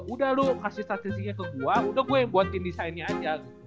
udah lu kasih statistiknya ke gua udah gua yang buat team design nya aja